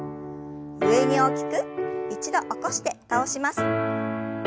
上に大きく一度起こして倒します。